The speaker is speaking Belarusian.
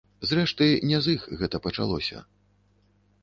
Зрэшты, не з іх гэта пачалося.